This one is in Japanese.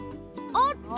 おっと！